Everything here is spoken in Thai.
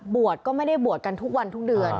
บวชก็ไม่ได้บวชกันทุกวันทุกเดือน